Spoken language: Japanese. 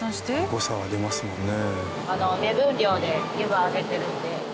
誤差ありますもんね。